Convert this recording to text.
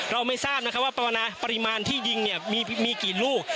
เราไม่ทราบนะครับว่าปริมาณที่ยิงมีกี่ลูก